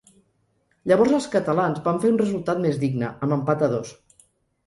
Llavors els catalans van fer un resultat més digne, amb empat a dos.